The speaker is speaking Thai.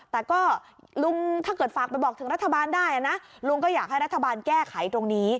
แต่ก็ลุงถ้าเกิดฝากไปบอกถึงรัฐบาลได้นะลุงก็อยากให้รัฐบาลแก้ไขตรงนี้